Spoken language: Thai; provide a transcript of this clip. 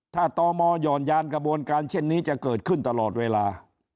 ถ้าตมหย่อนยานกระบวนการเช่นนี้จะเกิดขึ้นตลอดเวลา